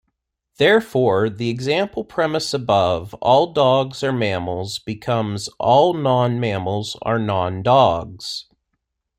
Therefore, the example premise above, "all dogs are mammals" becomes "all non-mammals are non-dogs.